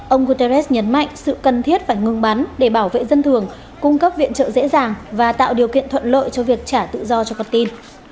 ông guterres nhấn mạnh sự cần thiết phải ngừng bắn để bảo vệ dân thường cung cấp viện trợ dễ dàng và tạo điều kiện thuận lợi cho việc trả tự do cho con tin